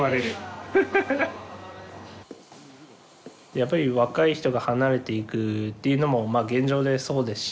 やっぱり若い人が離れていくっていうのも現状でそうですし。